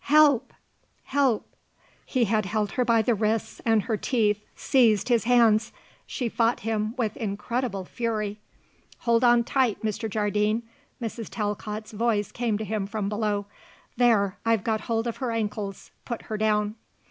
Help! Help!" He had her by the wrists and her teeth seized his hands. She fought him with incredible fury. "Hold on tight, Mr. Jardine," Mrs. Talcott's voice came to him from below. "There; I've got hold of her ankles. Put her down."